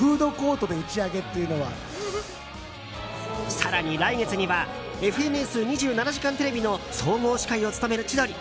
更に来月には「ＦＮＳ２７時間テレビ」の総合司会を務める千鳥。